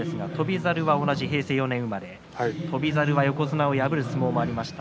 翔猿が同じ平成４年生まれ翔猿は横綱を破る相撲もありました。